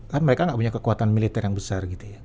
kan mereka gak punya kekuatan militer yang besar gitu ya